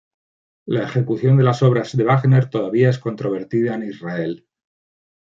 La ejecución de las obras de Wagner todavía es controvertida en Israel.